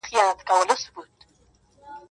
د خالق په انتظار کي يې ويده کړم